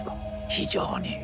非常に。